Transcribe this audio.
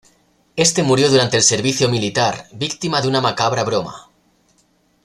Éste murió durante el servicio militar, víctima de una macabra broma.